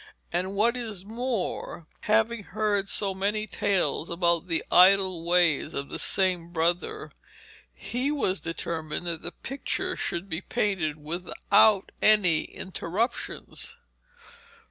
And what is more, having heard so many tales about the idle ways of this same brother, he was determined that the picture should be painted without any interruptions.